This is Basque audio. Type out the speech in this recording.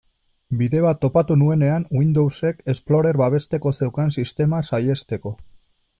Bide bat topatu nuenean Windowsek Explorer babesteko zeukan sistema saihesteko.